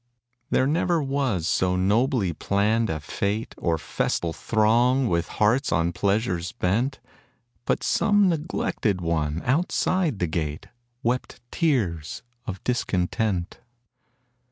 There never was so nobly planned a fête, Or festal throng with hearts on pleasure bent, But some neglected one outside the gate Wept tears of discontent.